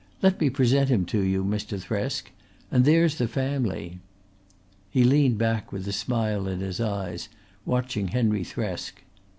Let me present him to you, Mr. Thresk. And there's the family." He leaned back, with a smile in his eyes, watching Henry Thresk.